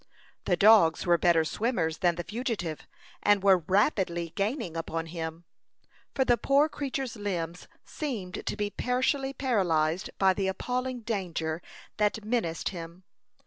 The dogs were better swimmers than the fugitive, and were rapidly gaining upon him, for the poor creature's limbs seemed to be partially paralyzed by the appalling danger that menaced him.